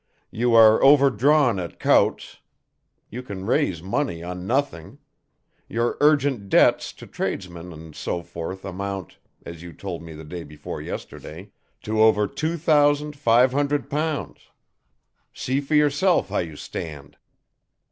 You are overdrawn at Coutts', you can raise money on nothing, your urgent debts to tradesmen and so forth amount, as you told me the day before yesterday, to over two thousand five hundred pounds. See for yourself how you stand."